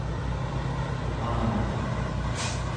aanak